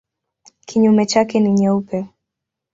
Kinyume chake ni nyeupe.